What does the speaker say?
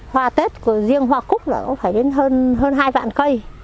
hoa tết của riêng hoa cúc phải đến hơn hai vạn cây